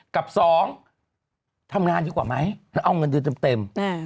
กับสองทำงานดีกว่าไหมแล้วเอาเงินเดือนเต็ม